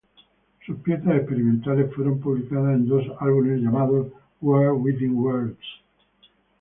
Sus piezas experimentales fueron publicadas en dos álbumes, llamados "World Within Worlds".